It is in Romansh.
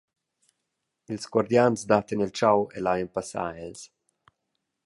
Ils guardians dattan il tgau e laian passar els.